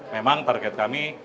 memang target kami